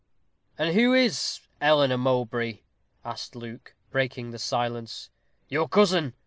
"And who is Eleanor Mowbray?" asked Luke, breaking the silence. "Your cousin.